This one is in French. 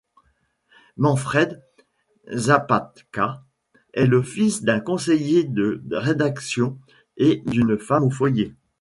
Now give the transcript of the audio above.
Manfred Zapatka est le fils d'un conseiller de rédaction et d'une femme au foyer.